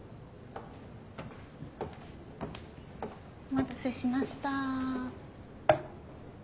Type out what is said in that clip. お待たせしました。